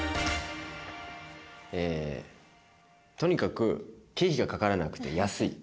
えとにかく経費がかからなくて安い。